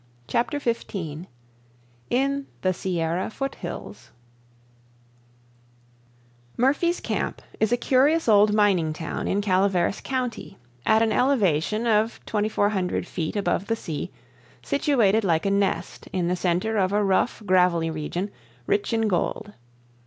CHAPTER XV IN THE SIERRA FOOT HILLS Murphy's camp is a curious old mining town in Calaveras County, at an elevation of 2400 feet above the sea, situated like a nest in the center of a rough, gravelly region, rich in gold.